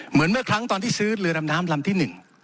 เหมือนเมื่อครั้งตอนที่ซื้อเรือดำน้ำลำที่๑